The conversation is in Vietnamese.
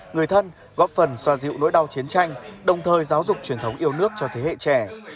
người thân góp phần xoa dịu nỗi đau chiến tranh đồng thời giáo dục truyền thống yêu nước cho thế hệ trẻ